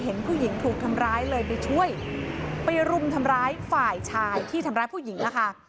เห็นผู้หญิงถูกทำร้ายเลยไปช่วยไปรุมทำร้ายฝ่ายชายที่ทำร้ายผู้หญิงอะค่ะ